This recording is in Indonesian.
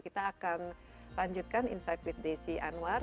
kita akan lanjutkan insight with desi anwar